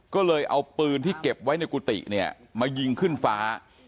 ก็เลยเอาปืนที่เก็บไว้ในกุฏิเนี่ยมายิงขึ้นฟ้า